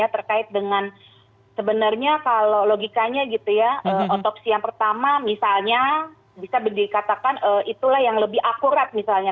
tapi kalau misalnya otopsi yang pertama misalnya bisa dikatakan itulah yang lebih akurat misalnya